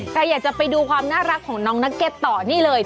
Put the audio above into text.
ใครอยากจะไปดูความน่ารักของน้องนักเก็ตต่อนี่เลย